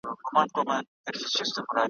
پر دنيا چي خداى كرلي دي قومونه ,